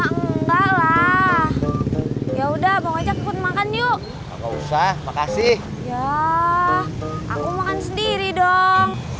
enggak lah ya udah mau ajak pun makan yuk makasih aku makan sendiri dong